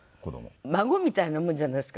孫みたいなものじゃないですか